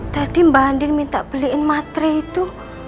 tadi mbak andin minta beliin matre itu